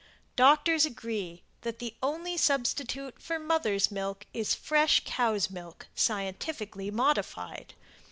Doctors agree that the only substitute for mother's milk is fresh cow's milk, scientifically modified.